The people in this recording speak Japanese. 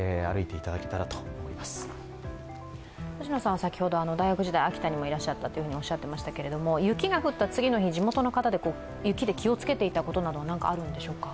先ほど大学時代、秋田にもいらっしゃったとおっしゃっていましたけれども、雪が降った次の日、地元の方、雪で気をつけていたことなどあるんでしょうか？